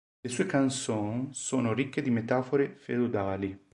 Le sue "cansos" sono "ricche di metafore feudali".